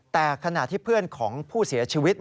แต่ขณะที่เพื่อนของผู้เสียชีวิต